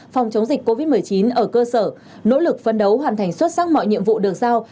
phòng chống dịch covid một mươi chín ở cơ sở nỗ lực phân đấu hoàn thành xuất sắc mọi nhiệm vụ được giao